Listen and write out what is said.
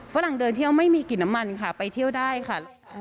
ฝรั่งเดินเที่ยวไม่มีกลิ่นน้ำมันค่ะไปเที่ยวได้ค่ะ